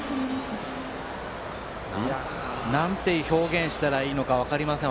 なんと表現したらいいのか分かりません。